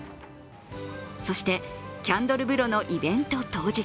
そしてキャンドル風呂のイベント当日。